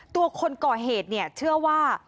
ตัวคนก่อเหตุเนี่ยเชื่อว่า